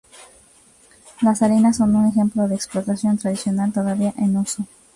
Las salinas son un ejemplo de explotación tradicional todavía en uso.